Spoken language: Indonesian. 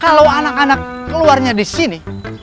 kalau anak anak keluarnya disini